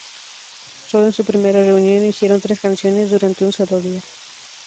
Solo en su primera reunión hicieron tres canciones, durante un solo día.